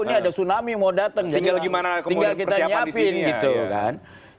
ini ada tsunami mau dateng tinggal gimana persiapan disini